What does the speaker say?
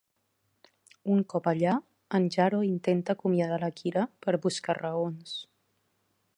Un cop allà, en Jaro intenta acomiadar la Kira per buscar-raons.